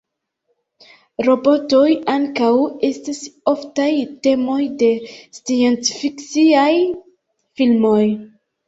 Robotoj ankaŭ estas oftaj temoj de sciencfiksiaj filmoj.